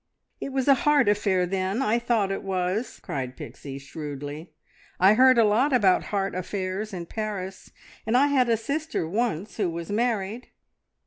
"It was a heart affair, then! I thought it was," cried Pixie shrewdly. "I heard a lot about heart affairs in Paris, and I had a sister once who was married.